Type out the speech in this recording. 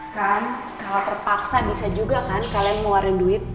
kan kalau terpaksa bisa juga kan kalian ngeluarin duit